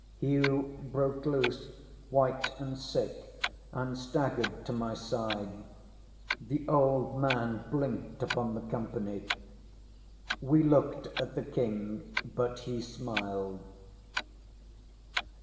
ŌĆØ ŌĆśHugh broke loose, white and sick, and staggered to my side; the old man blinked upon the company. ŌĆśWe looked at the King, but he smiled.